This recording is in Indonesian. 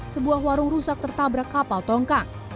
sebuah warung rusak tertabrak kapal tongkang